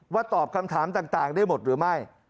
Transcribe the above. ตอบคำถามต่างได้หมดหรือไม่